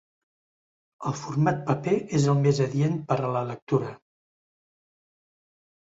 El format paper és el més adient per a la lectura.